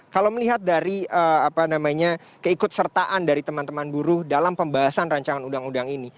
kalau melihat dari keikut sertaan dari teman teman buruh dalam pembahasan rancangan undang undang ini